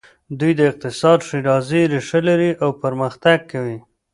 دوی د اقتصادي ښېرازۍ ریښه لري او پرمختګ کوي.